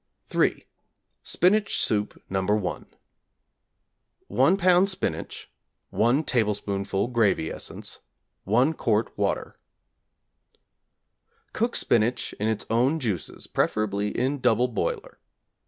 Spinach Soup No. 1= 1 lb. Spinach, 1 tablespoonful gravy essence, 1 quart water. Cook spinach in its own juices (preferably in double boiler).